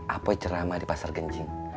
apoy cerama di pasar genjing